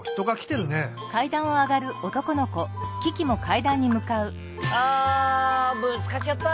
ああぶつかっちゃった。